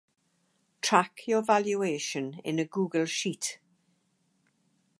track your valuation in a Google Sheet